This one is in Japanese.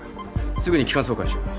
すぐに気管挿管しよう。